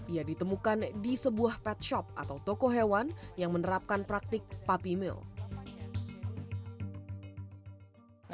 ia ditemukan di sebuah pet shop atau toko hewan yang menerapkan praktik puppy milk